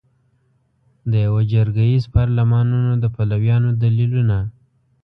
د یوه جرګه ایز پارلمانونو د پلویانو دلیلونه